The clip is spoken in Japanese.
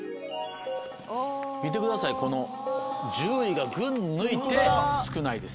見てくださいこの１０位が群抜いて少ないです。